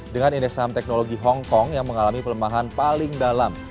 dengan indeks saham teknologi hongkong yang mengalami pelemahan paling dalam